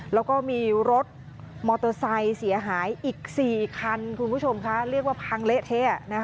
แล้วก็มีรถมอเตอร์ไซค์เสียหายอีก๔คันคุณผู้ชมคะเรียกว่าพังเละเทะ